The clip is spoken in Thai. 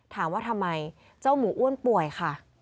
ถามว่าทำไมเจ้าหมูอ้วนป่วยค่ะ